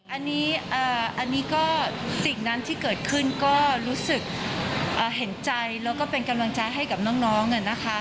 อันนี้ก็สิ่งนั้นที่เกิดขึ้นก็รู้สึกเห็นใจแล้วก็เป็นกำลังใจให้กับน้อง